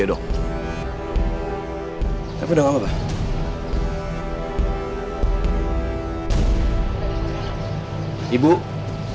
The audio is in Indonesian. aku tuh cuma pengen kenal sama dia